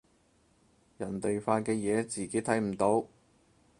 人哋發嘅嘢自己睇唔到